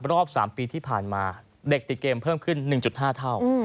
รอบ๓ปีที่ผ่านมาเด็กติดเกมเพิ่มขึ้น๑๕เท่า